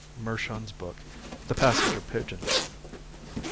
B. Mershon's book, "The Passenger Pigeon.")